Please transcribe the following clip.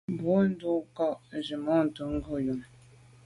Mbwôg ndù kà nzwimàntô ghom yube.